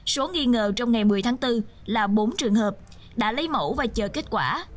số nghi ngờ trong ngày một mươi tháng bốn là bốn trường hợp đã lấy mẫu và chờ kết quả